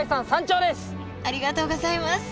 ありがとうございます。